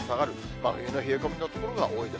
真冬の冷え込みの所が多いです。